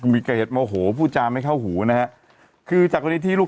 เพราะว่าคิ้วมันขาดอยู่